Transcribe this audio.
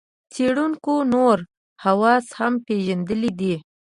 څېړونکو نور حواس هم پېژندلي دي.